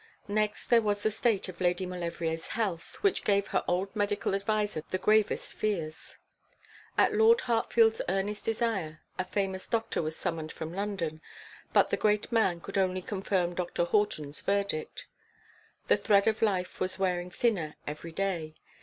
Next, there was the state of Lady Maulevrier's health, which gave her old medical adviser the gravest fears. At Lord Hartfield's earnest desire a famous doctor was summoned from London; but the great man could only confirm Mr. Horton's verdict. The thread of life was wearing thinner every day.